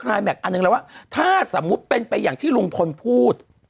แม็กซอันหนึ่งแล้วว่าถ้าสมมุติเป็นไปอย่างที่ลุงพลพูด